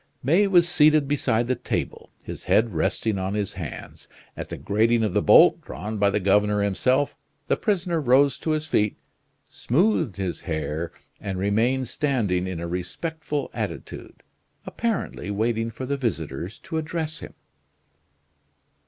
May was seated beside the table, his head resting on his hands. At the grating of the bolt, drawn by the governor himself, the prisoner rose to his feet, smoothed his hair, and remained standing in a respectful attitude, apparently waiting for the visitors to address him.